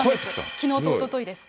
きのうとおとといです。